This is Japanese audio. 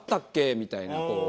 みたいな。